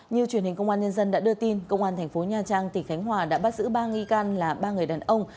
như truyền hình công an nhân dân đã đưa tin công an thành phố nha trang tỉnh khánh hòa đã bắt giữ ba nghi can là ba người đàn ông